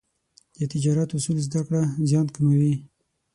د تجارت اصول زده کړه، زیان کموي.